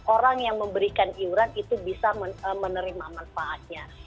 orang yang memberikan iuran itu bisa menerima manfaatnya